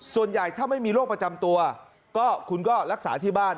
ส่วนใหญ่ถ้าไม่มีโรคประจำตัวก็คุณก็รักษาที่บ้าน